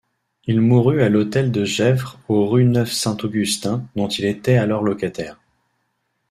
Il mourut à l'hôtel de Gesvres au rue Neuve-Saint-Augustin, dont il était alors locataire.